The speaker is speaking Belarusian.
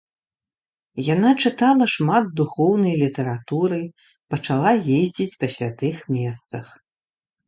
Яна чытала шмат духоўнай літаратуры, пачала ездзіць па святых месцах.